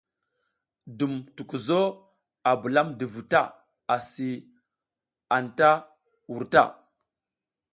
Dum tukuzo a bulamdi vu ta asi a anta wur.